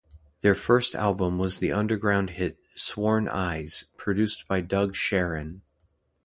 Their first album was the underground hit "Sworn Eyes", produced by Doug Scharin.